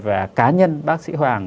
và cá nhân bác sĩ hoàng